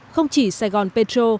không chỉ sài gòn petro